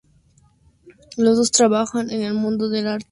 Los dos trabajaban en el mundo del arte y empezaron a pasar tiempo juntos.